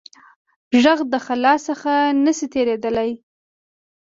غږ د خلا څخه نه شي تېرېدای.